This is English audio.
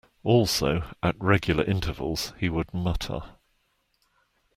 Also, at regular intervals, he would mutter.